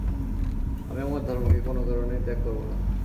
আমি আমার ধর্মকে কোন কারণেই ত্যাগ করব না।